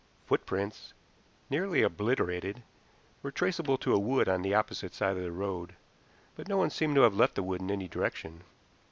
Footprints, nearly obliterated, were traceable to a wood on the opposite side of the road, but no one seemed to have left the wood in any direction.